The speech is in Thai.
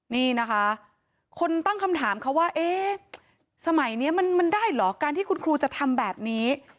นี่นะคะคนตั้งคำถามเขาว่าเอ๊ะสมัยนี้มันได้เหรอการที่คุณครูจะทำแบบนี้